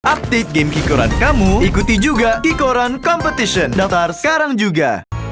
update game kikoran kamu ikuti juga kikoran competition daftar sekarang juga